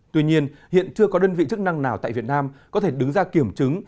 tuy nhiên hiện chưa có đơn vị chức năng nào tại việt nam có thể đứng ra kiểm chứng